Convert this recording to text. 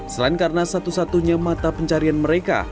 selain karena satu satunya mata pencarian mereka